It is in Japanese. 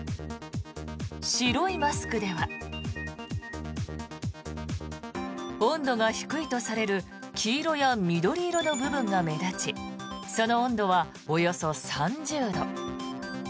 白いマスクでは温度が低いとされる黄色や緑色の部分が目立ちその温度はおよそ３０度。